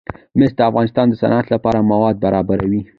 مس د افغانستان د صنعت لپاره مواد برابروي.